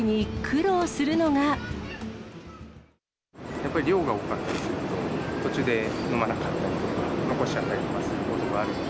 やっぱり量が多かったりすると、途中で飲まなかったり、残しちゃったりとかすることがあるので。